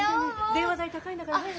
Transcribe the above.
電話代高いんだから早く。